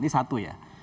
ini satu ya